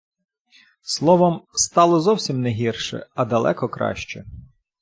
Словом, стало зовсім не гірше, а далеко краще.